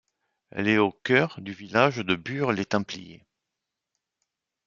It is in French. Elle est au cœur du village de Bure-les-Templiers.